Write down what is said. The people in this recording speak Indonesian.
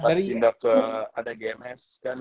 pas pindah ke ada gms kan